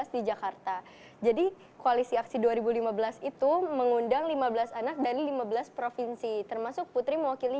di jakarta jadi koalisi aksi dua ribu lima belas itu mengundang lima belas anak dan lima belas provinsi termasuk putri mewakili